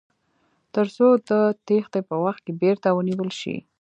تر څو د تیښتې په وخت کې بیرته ونیول شي.